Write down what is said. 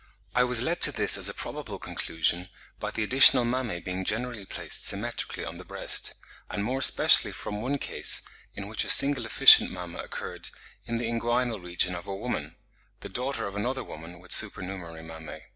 I was led to this as a probable conclusion, by the additional mammae being generally placed symmetrically on the breast; and more especially from one case, in which a single efficient mamma occurred in the inguinal region of a woman, the daughter of another woman with supernumerary mammae.